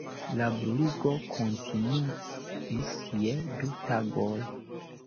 La bruligo kontinuis je du tagoj.